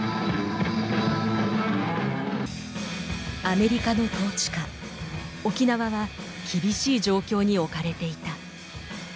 アメリカの統治下沖縄は厳しい状況に置かれていた。